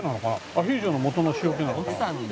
アヒージョの素の塩気なのかな？